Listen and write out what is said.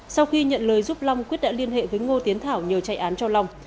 sau khi nhận lời giúp long quyết đã liên hệ với ngô tiến thảo nhờ chạy án cho long